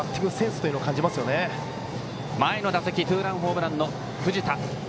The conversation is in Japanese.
続いて前の打席でツーランホームランの藤田。